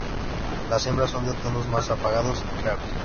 Las hembras son de tonos más apagados y claros.